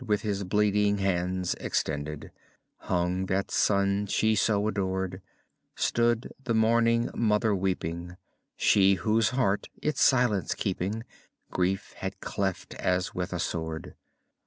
With his bleeding hands extended, Hung that Son she so adored, Stood the mournful Mother weeping. She whose heart, its silence keeping. Grief had cleft as with a sword.